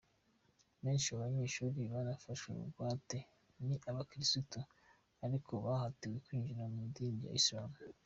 Benshi mu banyeshuri nafashwe bugwate ni abakirisitu ariko bahatiwe kwinjira mu idini rya isilamu.